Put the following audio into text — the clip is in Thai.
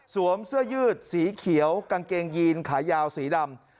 เสื้อยืดสีเขียวกางเกงยีนขายาวสีดำ